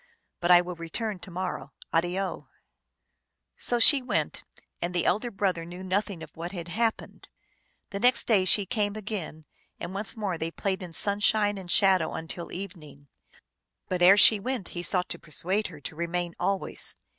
But I will return to morrow. Addio /" So she went, and the elder brother knew nothing of what had happened. The next day she came again, and once more they played in sunshine and shadow until evening ; but ere she went he sought to persuade her to remain always.